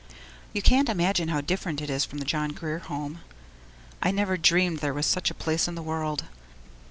You can't imagine how different it is from the John Grier Home. I never dreamed there was such a place in the world.